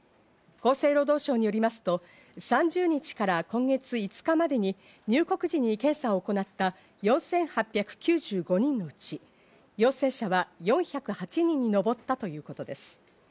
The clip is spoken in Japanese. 厚生労働省によりますと、３０日から今月５日までに入国時に検査を行った４８９５人のうち、陽性者は４０８人に上ったということです。